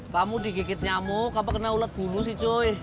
kamu digigit nyamuk apa kena ulat bunuh sih cuy